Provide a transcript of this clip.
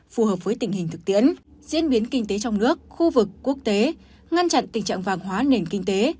phù hợp với tình hình thực tiễn diễn biến kinh tế trong nước khu vực quốc tế ngăn chặn tình trạng vàng hóa nền kinh tế